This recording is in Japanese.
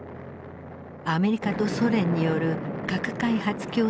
アメリカとソ連による核開発競争が始まる。